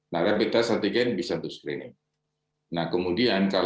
nah rapid test antigen bisa untuk screening